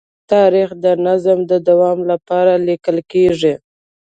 تاریخ د نظم د دوام لپاره لیکل کېږي.